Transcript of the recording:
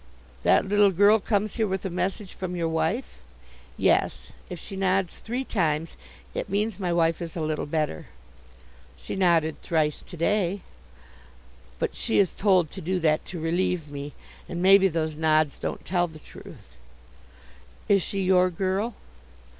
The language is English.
"That little girl comes here with a message from your wife?" "Yes; if she nods three times, it means my wife is a little better." "She nodded thrice to day." "But she is told to do that to relieve me, and maybe those nods don't tell the truth." "Is she your girl?"